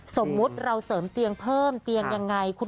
สมมุติเราเสริมเตียงเพิ่มเตียงยังไง